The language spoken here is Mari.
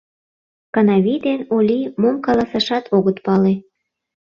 Кынавий ден Олий мом каласашат огыт пале.